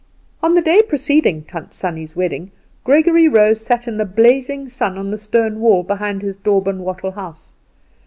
On the day preceding Tant Sannie's wedding, Gregory Rose sat in the blazing sun on the stone wall behind his daub and wattle house.